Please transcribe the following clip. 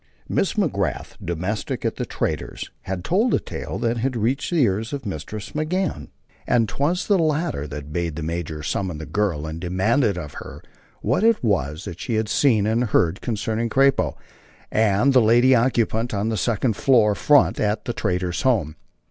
Miss McGrath, domestic at the trader's, had told a tale that had reached the ears of Mistress McGann, and 'twas the latter that bade the major summon the girl and demand of her what it was she had seen and heard concerning "Crappo" and the lady occupant of the second floor front at the trader's home.